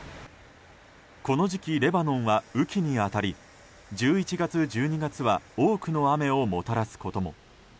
この時期レバノンは雨季に当たり１１月、１２月は多くの雨をもたらすことも。